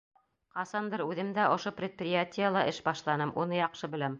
Ҡасандыр үҙем дә ошо предприятиела эш башланым, уны яҡшы беләм.